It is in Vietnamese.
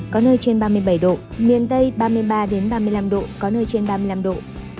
có nơi trên ba mươi bảy độ miền tây ba mươi ba ba mươi năm độ có nơi trên ba mươi năm độ